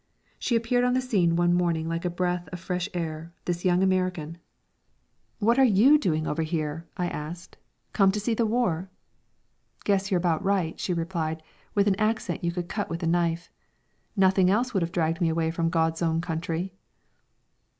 She appeared on the scene one morning like a breath of fresh air, this young American. "What are you doing over here?" I asked. "Come to see the war?" "Guess you're about right," she replied, with an accent you could cut with a knife. "Nothing else would have dragged me away from God's own country!"